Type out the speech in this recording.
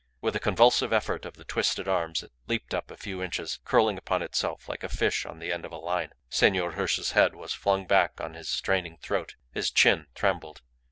With a convulsive effort of the twisted arms it leaped up a few inches, curling upon itself like a fish on the end of a line. Senor Hirsch's head was flung back on his straining throat; his chin trembled.